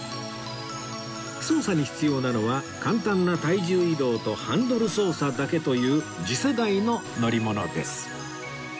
操作に必要なのは簡単な体重移動とハンドル操作だけという次世代の乗り物です